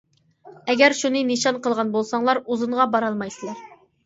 ئەگەر شۇنى نىشان قىلغان بولساڭلار، ئۇزۇنغا بارالمايسىلەر.